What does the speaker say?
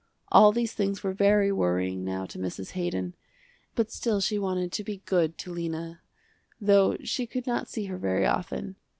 All these things were very worrying now to Mrs. Haydon, but still she wanted to be good to Lena, though she could not see her very often.